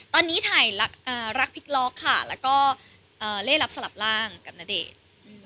ตอนนี้ถ่ายรักพลิกล็อกค่ะแล้วก็ได้รับสลับร่างกับณเดชน์